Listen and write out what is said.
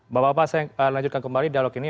bapak bapak saya lanjutkan kembali dialog ini